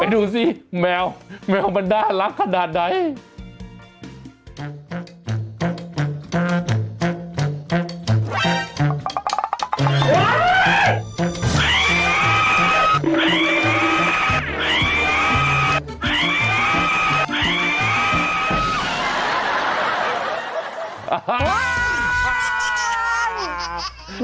ดูสิแมวแมวมันน่ารักขนาดไหน